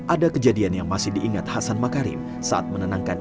ada kejadian yang masih diingat hasan makarim saat menenangkan